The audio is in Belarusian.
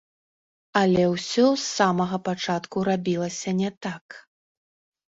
Але ўсё з самага пачатку рабілася не так.